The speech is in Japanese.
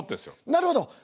なるほど！